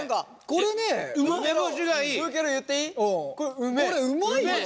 これうまいよ。